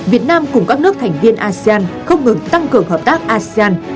việt nam cùng các nước thành viên asean không ngừng tăng cường hợp tác asean